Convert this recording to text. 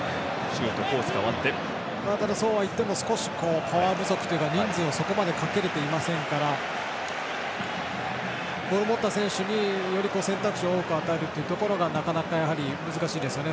そうはいっても少しパワー不足というか人数を、そこまでかけられていませんからボール持った選手により選択肢を多く与えるっていうところがなかなか、難しいですね。